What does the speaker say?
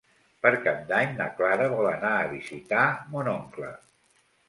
Per Cap d'Any na Clara vol anar a visitar mon oncle.